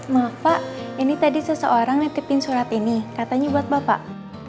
maaf pak ini tadi seseorang nitipin surat ini katanya buat bapak